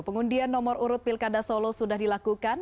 pengundian nomor urut pilkada solo sudah dilakukan